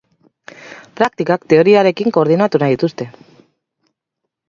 Praktikak teoriarekin koordinatu nahi dituzte.